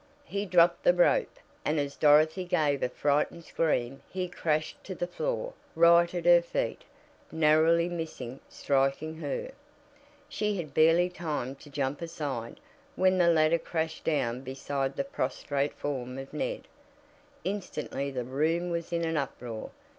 He dropped the rope, and as Dorothy gave a frightened scream he crashed to the floor, right at her feet, narrowly missing striking her. She had barely time to jump aside when the ladder crashed down beside the prostrate form of Ned. Instantly the room was in an uproar.